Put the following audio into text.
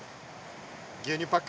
牛乳パック。